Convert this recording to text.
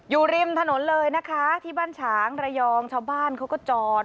อยู่ริมถนนเลยนะคะที่บ้านฉางระยองชาวบ้านเขาก็จอด